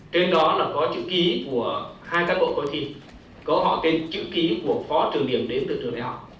trên đó là có chữ ký của hai các bộ coi thi có họ tên chữ ký của phó trường điển đến từ trường đại học